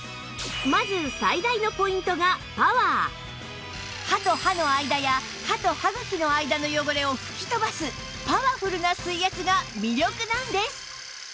まず歯と歯の間や歯と歯茎の間の汚れを吹き飛ばすパワフルな水圧が魅力なんです